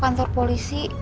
hare panah itu